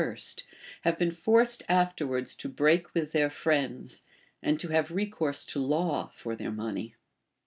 71 first, have been forced afterwards to break with their friends, and to have recourse to hiw for their moncv.